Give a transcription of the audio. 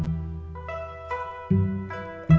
gak ada apa apa